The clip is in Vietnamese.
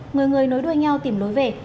người người nối đuôi nhau tìm lối về